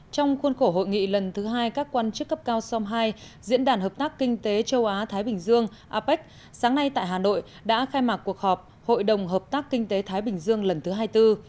trong khuôn khổ hội nghị lần thứ hai các quan chức cấp cao som hai diễn đàn hợp tác kinh tế châu á thái bình dương apec sáng nay tại hà nội đã khai mạc cuộc họp hội đồng hợp tác kinh tế thái bình dương lần thứ hai mươi bốn